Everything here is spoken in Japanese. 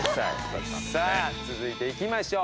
さあ続いていきましょう。